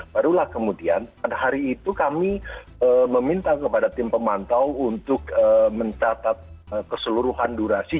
barulah kemudian pada hari itu kami meminta kepada tim pemantau untuk mencatat keseluruhan durasi